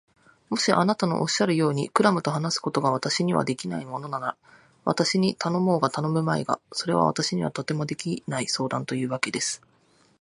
もしあなたのおっしゃるように、クラムと話すことが私にはできないものなら、私に頼もうが頼むまいが、それは私にはとてもできない相談というわけです。